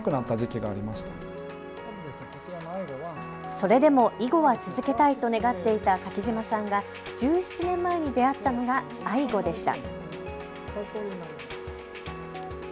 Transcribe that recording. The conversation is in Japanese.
それでも囲碁は続けたいと願っていた柿島さんが１７年前に出会ったのがアイゴでした。